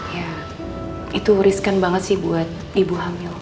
ya itu riskan banget sih buat ibu hamil